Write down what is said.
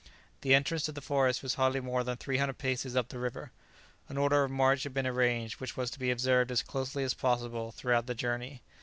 The entrance to the forest was hardly more than three hundred paces up the river. An order of march had been arranged which was to be observed as closely as possible throughout the journey.